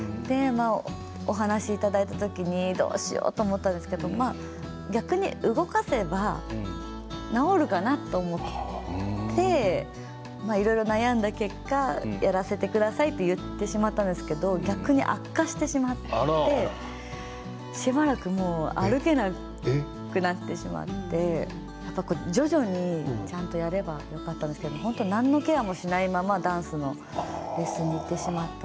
出産で腰がだめになってしまっていてお話をいただいた時にどうしようと思ったんですけど逆に動かせば治るかなと思っていろいろ悩んだ結果やらせてくださいと言ってしまったんですけど逆に悪化してしまってしばらく歩けなくなってしまってやっぱり徐々にちゃんとやればよかったんですけどなんのケアもしないままダンスのレッスンに行ってしまって。